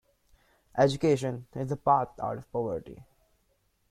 Education is a path out of poverty.